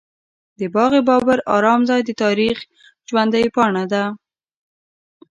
د باغ بابر ارام ځای د تاریخ ژوندۍ پاڼه ده.